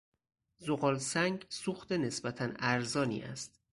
زغالسنگ سوخت نسبتا ارزانی است.